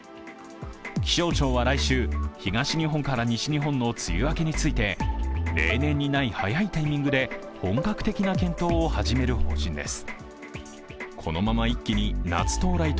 気象庁は来週、東日本から西日本の梅雨明けについて例年にない早いタイミングで本格的な検討を始める方針です。